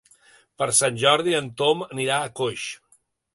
Per Sant Jordi en Tom anirà a Coix.